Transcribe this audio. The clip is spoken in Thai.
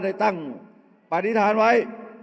เอาข้างหลังลงซ้าย